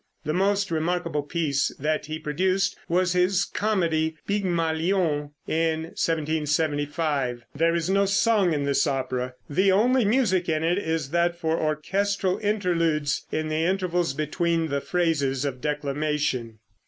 The most remarkable piece that he produced was his comedy "Pygmalion" in 1775. There is no song in this opera. The only music in it is that for orchestral interludes in the intervals between the phrases of declamation.